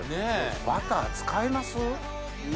バター使います？